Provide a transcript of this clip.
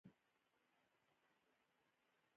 موږ د جنوبي آسیا اتلولي ګټلې ده.